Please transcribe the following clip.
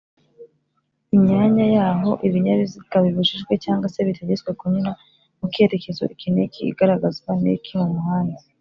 imyanya yaho Ibinyabiziga bibujijwe cg se bitegetswe kunyura mu cyerekezo iki n’iki igaragazwa ni iki mumuhanda